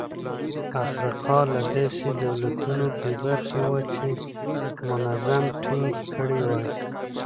افریقا له داسې دولتونو بې برخې وه چې نظم ټینګ کړي وای.